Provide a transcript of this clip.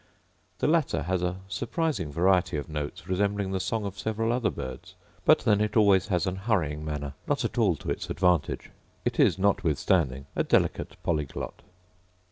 The latter has a surprising variety of notes resembling the song of several other birds; but then it also has an hurrying manner, not at all to its advantage; it is notwithstanding a delicate polyglot.